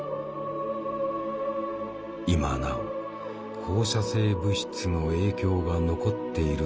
今なお放射性物質の影響が残っているのだという。